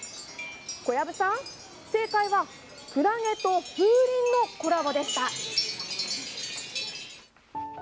小籔さん、正解はクラゲと風鈴のコラボでした。